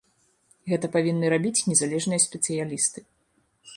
Гэта павінны рабіць незалежныя спецыялісты.